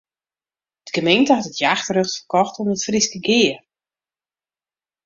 De gemeente hat it jachtrjocht ferkocht oan it Fryske Gea.